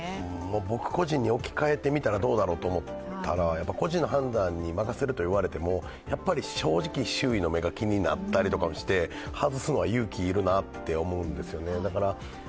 僕個人に置き換えてみたらどうだろうと思ったら、個人の判断に任せると言われても正直、周囲の目が気になったりして外すのは勇気が要るなと思うんですよね。